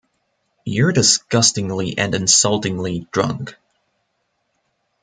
You're disgustingly and insultingly drunk.